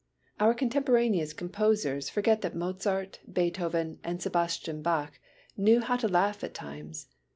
Our contemporaneous composers forget that Mozart, Beethoven and Sebastian Bach knew how to laugh at times.